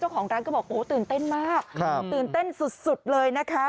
เจ้าของร้านก็บอกโอ้ตื่นเต้นมากครับตื่นเต้นสุดสุดเลยนะคะ